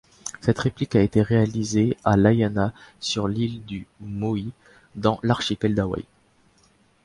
Cette réplique a été réalisée à Lahaina sur l'île de Maui, dans l'archipel d'Hawaï.